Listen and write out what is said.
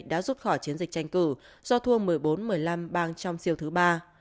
đã rút khỏi chiến dịch tranh cử do thua một mươi bốn một mươi năm bang trong siêu thứ ba